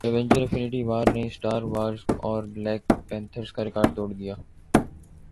Avenger Infinity وارنے Star Wars اور Black Panther کاریکارڈ توڑدیا